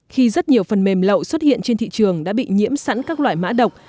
khi rất nhiều phần mềm lậu xuất hiện trên thị trường đã bị nhiễm sẵn các loại mã độc